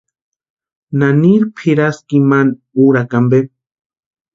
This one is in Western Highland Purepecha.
¿Naniri pʼiraski imani úrakwa ampe?